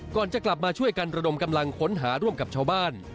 ก่อนจะกลับมาช่วยกันระดมกำลังค้นหาร่วมกับชาวบ้าน